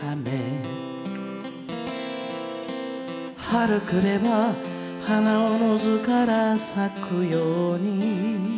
「春来れば花自ずから咲くように」